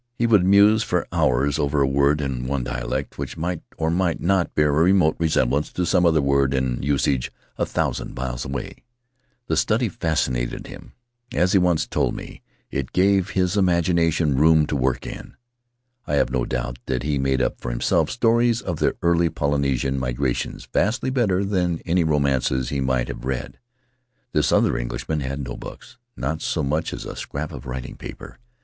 He would muse for hours over a word in one dialect which might or might not bear a remote resemblance to some other word in usage a thousand miles away. The study fascinated him. As he once told me, it gave his imagination 22 [ 325 ] Faery Lands of the South Seas room to work in. I have no doubt that he made up for himself stories of the early Polynesian migrations vastly better than any romances he might have read. This other Englishman had no books; not so much as a scrap of writing paper.